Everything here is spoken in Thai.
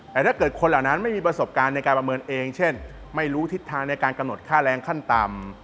แต่ถ้าเกิดคนเหล่านั้นไม่มีประสบการณ์ในการประเมินเองเช่นไม่รู้ทิศทางในการกำหนดค่าแรงขั้นต่ำ